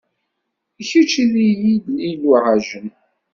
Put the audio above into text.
D kečč i yi-d-iluɛjen.